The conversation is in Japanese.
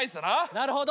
なるほど。